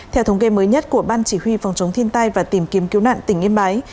theo thống kê mới nhất của ban chỉ huy phòng chống thiên tai và tìm kiếm cứu nạn tỉnh yên bái